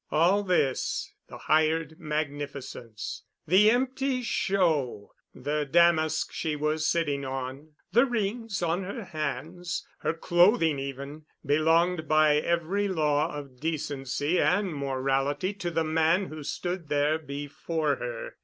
All this, the hired magnificence, the empty show, the damask she was sitting on, the rings on her hands, her clothing even, belonged by every law of decency and morality to the man who stood there before her.